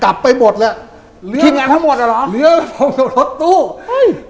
กลับไปหมดแล้วทีมงานเข้าหมดแล้วเหรอรถตู้เฮ้ย